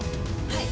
はい。